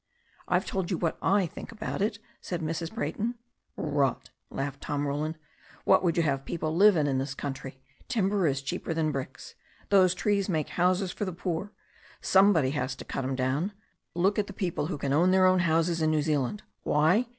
"I've told you what I think about it," said Mrs. Brayton. "Rot!" laughed Tom Roland. "What would you have people live in in this country? Timber is cheaper than bricks. Those trees make houses for the poor. Somebody has to cut 'em down. Look at the people who can own their own houses in New Zealand. Why?